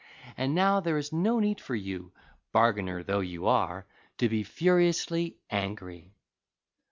And now there is no need for you, bargainer though you are, to be furiously angry.